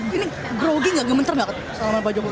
ini grogi gak gemeter gak bersalaman pak jokowi